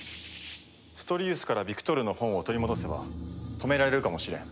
ストリウスからビクトールの本を取り戻せば止められるかもしれん。